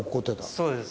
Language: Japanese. そうです。